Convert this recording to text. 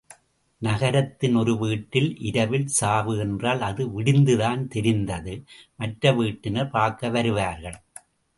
நகரத்தின் ஒரு வீட்டில் இரவில் சாவு என்றால் அது விடிந்து தான் தெரிந்து மற்ற வீட்டினர் பார்க்க வருவார்கள்.